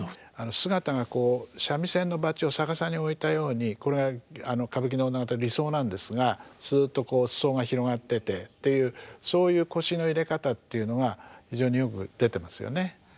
姿がこう三味線の撥を逆さにおいたようにこれは歌舞伎の女方理想なんですがすっとこう裾が広がっててっていうそういう腰の入れ方っていうのが非常によく出てますよね。